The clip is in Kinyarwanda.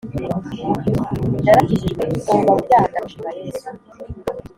Narakijijwe nkurwa mubyaha ndamushima Yesu